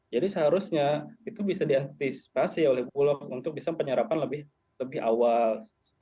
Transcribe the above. jadi seharusnya itu bisa diantisipasi oleh bulog untuk bisa penyerapan lebih awal